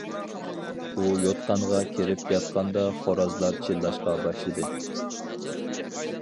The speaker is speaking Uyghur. ئۇ يوتقانغا كىرىپ ياتقاندا خورازلار چىللاشقا باشلىدى.